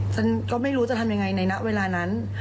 ฉันก็ไม่รู้จะทำยังไงในณเวลานั้น